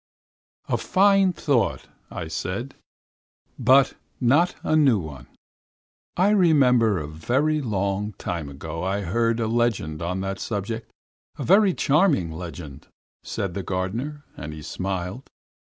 "A fine thought," I said. "But it's not a new one. I remember a very long time ago I heard a legend on that subject. A very charming legend," said the gardener, and he smiled.